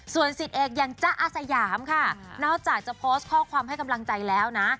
ส่วนสิทธิเอกอย่างจ๊ะอาสยามค่ะนอกจากจะโพสต์ข้อความให้กำลังใจแล้วนะ